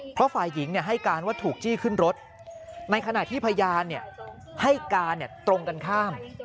เพราะฝ่ายหญิงให้การว่าถูกจี้ขึ้นรถในขณะที่พยานให้การตรงกันข้าม